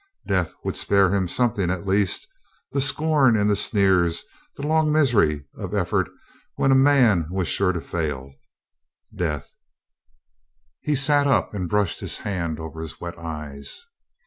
Death would spare him something at least — the scorn and the sneers, the long misery of effort when a man was sure to fail. Death. He sat up and brushed his hand over his wet eyes.